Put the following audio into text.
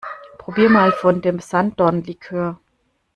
Probier mal von dem Sanddornlikör!